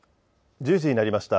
１０時になりました。